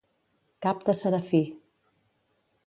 Cap de serafí.